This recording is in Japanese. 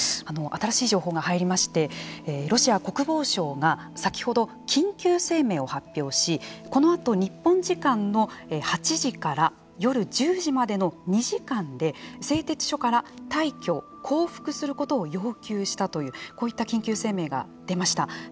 新しい情報が入りましてロシア国防省が先ほど緊急声明を発表しこのあと日本時間の８時から夜１０時までの２時間で製鉄所から退去降伏することを要求したというこういった緊急声明が出ました。